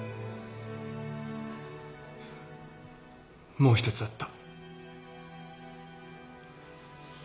もう一つあった。